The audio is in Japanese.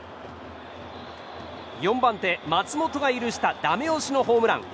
４番手、松本が許したダメ押しのホームラン。